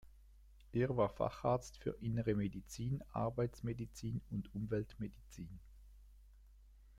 Er war Facharzt für Innere Medizin, Arbeitsmedizin und Umweltmedizin.